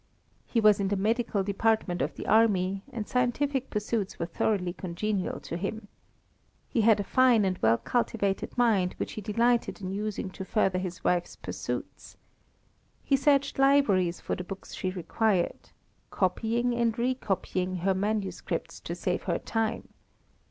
He was in the medical department of the army, and scientific pursuits were thoroughly congenial to him. He had a fine and well cultivated mind which he delighted in using to further his wife's pursuits. He searched libraries for the books she required, "copying and recopying her manuscripts to save her time."